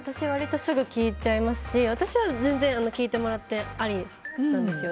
すぐ聞いちゃいますし私は全然聞いてもらってありなんですよ。